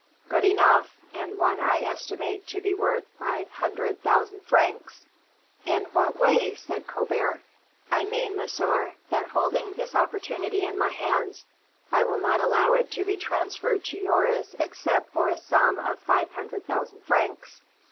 "Good enough, and one I estimate to be worth five hundred thousand francs." "In what way?" said Colbert. "I mean, monsieur, that holding this opportunity in my own hands, I will not allow it to be transferred to yours except for a sum of five hundred thousand francs."